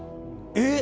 えっ！？